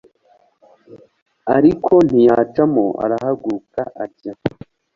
ariko ntiyacamo arahaguruka ajya